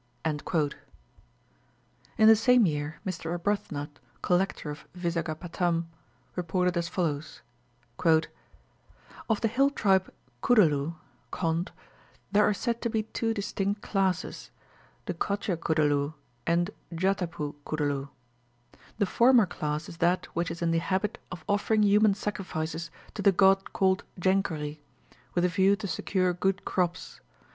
In the same year, Mr Arbuthnot, Collector of Vizagapatam, reported as follows: "Of the hill tribe Codooloo (Kondh), there are said to be two distinct classes, the Cotia Codooloo and Jathapoo Codooloo. The former class is that which is in the habit of offering human sacrifices to the god called Jenkery, with a view to secure good crops.